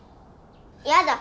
やだ。